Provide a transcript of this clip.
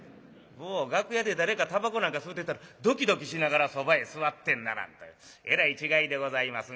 もう楽屋で誰かタバコなんか吸うてたらドキドキしながらそばへ座ってんならんというえらい違いでございますが。